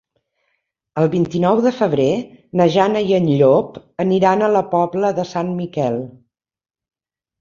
El vint-i-nou de febrer na Jana i en Llop aniran a la Pobla de Sant Miquel.